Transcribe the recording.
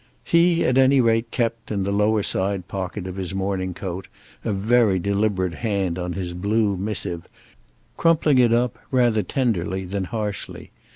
He at any rate kept, in the lower side pocket of his morning coat, a very deliberate hand on his blue missive, crumpling it up rather tenderly than harshly.